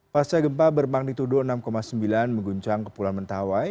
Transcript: pasca gempa bermakni tuduh enam sembilan mengguncang kepulauan mentawai